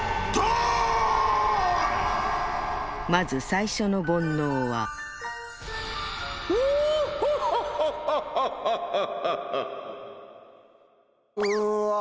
まず最初の煩悩はオーッホッホッホッホッうわ